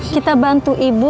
kita bantu ibu